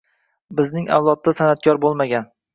“Bizning avlodda san’atkor bo’lmagan.